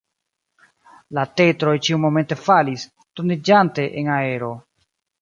La tetroj ĉiumomente falis, turniĝante en aero.